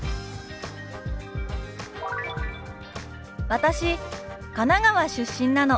「私神奈川出身なの」。